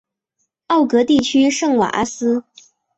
奥格地区圣瓦阿斯。